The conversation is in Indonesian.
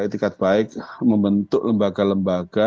etikat baik membentuk lembaga lembaga